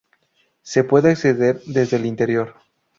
Se puede acceder desde el interior.